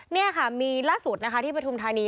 นี่ค่ะมีล่าสุดที่ประทุมทางนี้